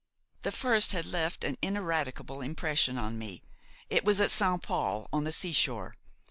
The first had left an ineradicable impression on me; it was at Saint Paul, on the seashore.